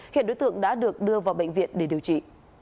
hiện đối tượng đã được đưa vào bệnh viện để điều trị